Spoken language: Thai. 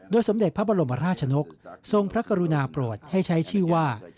สมเด็จพระบรมราชนกทรงพระกรุณาโปรดให้ใช้ชื่อว่า